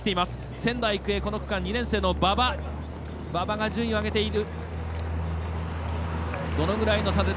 仙台育英、２年生の馬場が順位を上げている。